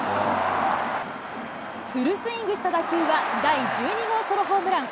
フルスイングした打球は第１２号ソロホームラン。